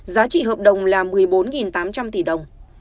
giá trị hợp đồng là một mươi bốn tám trăm linh tỷ đồng